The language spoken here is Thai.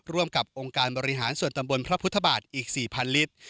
ร่วมกับองค์การบริหารส่วนตำบลพระพุทธบาทอีก๔๐๐ลิตร